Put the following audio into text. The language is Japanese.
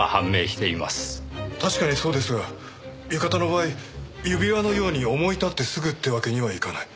確かにそうですが浴衣の場合指輪のように思い立ってすぐってわけにはいかない。